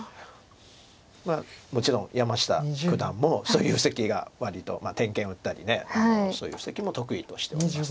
もちろん山下九段もそういう布石が割と天元打ったりそういう布石も得意としております。